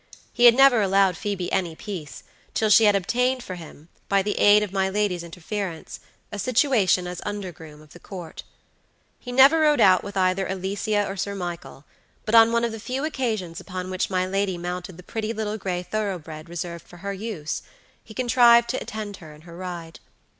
He had never allowed Phoebe any peace till she had obtained for him, by the aid of my lady's interference, a situation as undergroom of the Court. He never rode out with either Alicia or Sir Michael; but on one of the few occasions upon which my lady mounted the pretty little gray thoroughbred reserved for her use, he contrived to attend her in her ride.